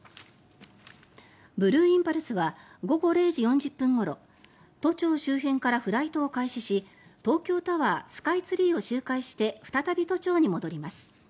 ブルーインパルスは午後０時４０分ごろ都庁周辺からフライトを開始し東京タワースカイツリーを周回して再び都庁に戻ります。